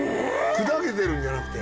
砕けてるんじゃなくて。